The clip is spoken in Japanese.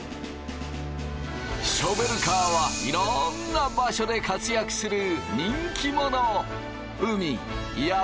ショベルカーはいろんな場所で活躍する人気者。